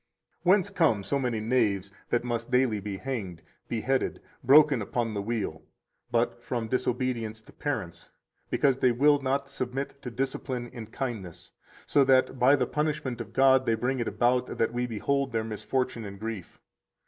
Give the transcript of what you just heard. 137 Whence come so many knaves that must daily be hanged, beheaded, broken upon the wheel, but from disobedience [to parents], because they will not submit to discipline in kindness, so that, by the punishment of God, they bring it about that we behold their misfortune and grief?